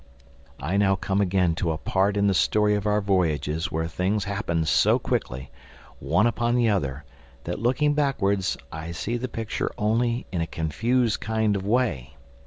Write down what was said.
I now come again to a part in the story of our voyages where things happened so quickly, one upon the other, that looking backwards I see the picture only in a confused kind of way.